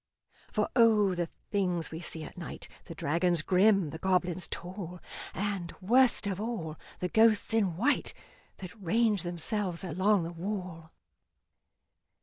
For O! the things we see at night The dragons grim, the goblins tall, And, worst of all, the ghosts in white That range themselves along the wall!